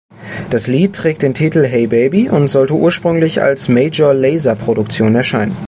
Das Lied trägt den Titel "Hey Baby" und sollte ursprünglich als Major-Lazer-Produktion erscheinen.